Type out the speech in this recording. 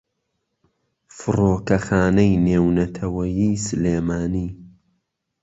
فڕۆکەخانەی نێونەتەوەییی سلێمانی